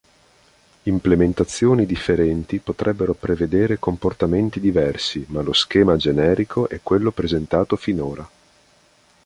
Implementazioni differenti potrebbero prevedere comportamenti diversi, ma lo schema generico è quello presentato finora.